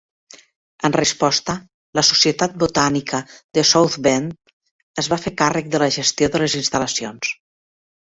En resposta, la societat botànica de South Bend es va fer càrrec de la gestió de les instal·lacions.